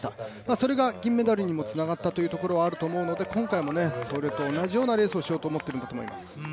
それが銀メダルにもつながったというところがあると思うので今回もそれと同じようなレースをしようと思っているんだと思います。